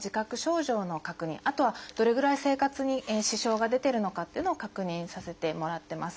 あとはどれぐらい生活に支障が出てるのかというのを確認させてもらってます。